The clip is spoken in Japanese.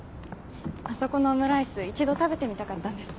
あそこのオムライス一度食べてみたかったんです。